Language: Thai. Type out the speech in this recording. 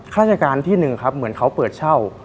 ราชการที่หนึ่งครับเหมือนเขาเปิดเช่า